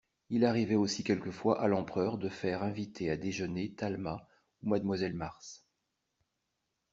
Il arrivait aussi quelquefois à l'empereur de faire inviter à déjeuner Talma ou mademoiselle Mars.